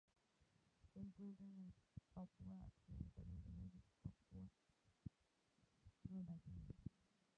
Se encuentra en el Papúa Occidental, Indonesia y Papúa Nueva Guinea